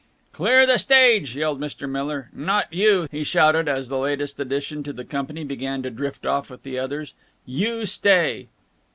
"Clear the stage!" yelled Mr. Miller. "Not you!" he shouted, as the latest addition to the company began to drift off with the others. "You stay!"